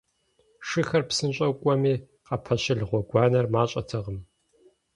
Шыхэр псынщӀэу кӀуэми, къапэщылъ гъуэгуанэр мащӀэтэкъым.